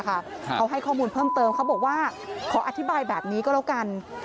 เขาให้ข้อมูลเพิ่มเติมเขาบอกว่าขออธิบายแบบนี้ก็แล้วกัน